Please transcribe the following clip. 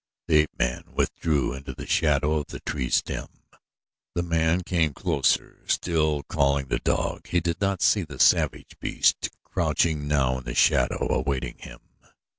The ape man withdrew into the shadow of the tree's stem. The man came closer, still calling the dog he did not see the savage beast, crouching now in the shadow, awaiting him.